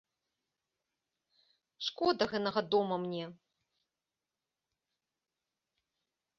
Шкода гэнага дома мне.